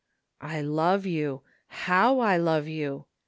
" I love you I How I love you